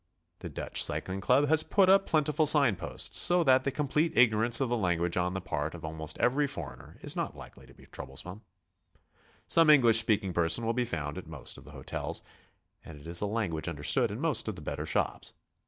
The Dutch Cycling Club has put up plentiful sign posts, so that no GOING ABROAD? the complete ignorance of the language on the part of almost every foreigner is not likely to be troublesome. Some Eng lish speaking person will be found at most of the hotels, and it is a language understood in most of the better shops.